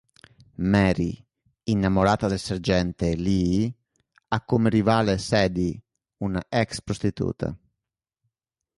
Mary, innamorata del sergente Lee, ha come rivale Sadie, una ex-prostituta.